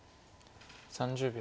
３０秒。